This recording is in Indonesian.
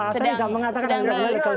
saya tidak mengatakan anda punya legal standing